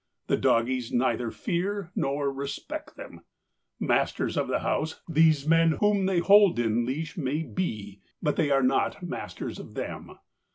The doggies neither fear nor respect them. Masters of the house these men whom they hold in leash may be, but they are not masters of them.